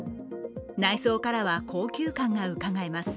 内装からは高級感がうかがえます。